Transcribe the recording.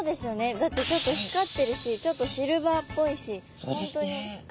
だってちょっと光ってるしちょっとシルバーっぽいし本当にかっちゅうみたい。